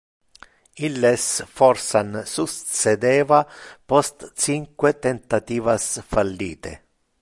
Illes forsan succedeva post cinque tentativas fallite.